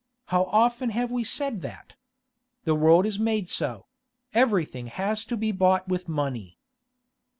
How often have we said that? The world is made so; everything has to be bought with money.